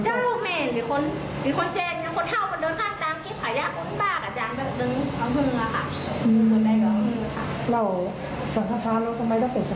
ถ้าบอกว่าอย่างพ่อป้าอยู่ฮันถ้าอยู่ตรงหน้าป้าเหมือนฮัน